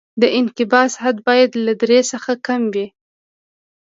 د انقباض حد باید له درې څخه کم وي